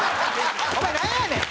お前なんやねん！